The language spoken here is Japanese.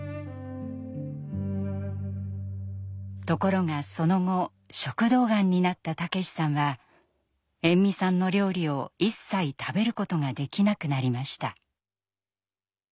ところがその後食道がんになった武さんは延味さんの料理を一切食べることができなくなりました。